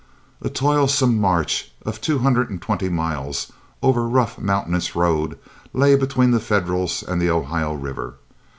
A toilsome march of two hundred and twenty miles over rough mountainous roads lay between the Federals and the Ohio River.